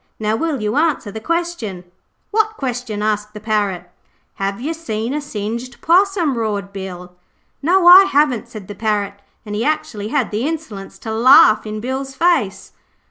Now will you answer the question?' 'Wot question?' asked the Parrot. 'Have yer seen a singed possum?' roared Bill. 'No, I haven't,' said the Parrot, and he actually had the insolence to laugh in Bill's face.